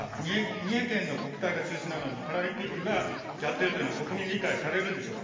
三重県の国体が中止なのに、パラリンピックがやってるというのは国民に理解されるんでしょうか。